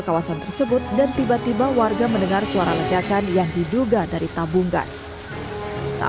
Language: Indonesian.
kawasan tersebut dan tiba tiba warga mendengar suara ledakan yang diduga dari tabung gas tak